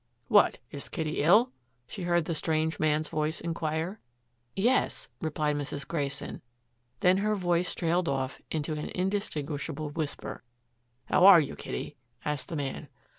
"What is Kitty ill?" she heard the strange man's voice inquire. "Yes," replied Mrs. Grayson, then her voice trailed off into an indistinguishable whisper. "How are you, Kitty?" asked the man.